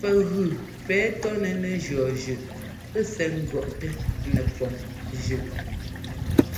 Pɛgʉ pɛ tɔ́nɛ nɛ jʉɔ́ zʉꞌ sɛ́ ŋgʉ̈ɔꞌtɛ nɛpɔŋ zʉꞌ.